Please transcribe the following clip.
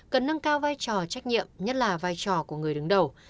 cần nâng cao vai trò trách nhiệm nhất là vai trò của người đứng đầu